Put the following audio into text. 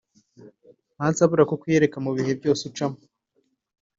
ntazabura kukwiyereka mu bihe byose ucamo